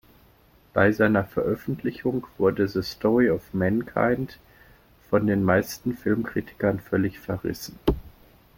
Bei seiner Veröffentlichung wurde "The Story of Mankind" von den meisten Filmkritikern völlig verrissen.